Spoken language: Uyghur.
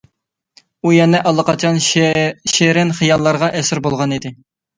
ئۇ يەنە ئاللىقاچان شېرىن خىياللارغا ئەسىر بولغان ئىدى.